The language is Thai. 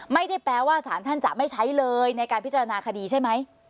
ไม่ได้แปลว่าสารท่านจะไม่ใช้เลยในการพิจารณาคดีใช่ไหม